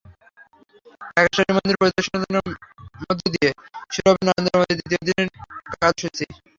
ঢাকেশ্বরী মন্দির পরিদর্শনের মধ্য দিয়ে শুরু হবে নরেন্দ্র মোদির দ্বিতীয় দিনের কার্যসূচি।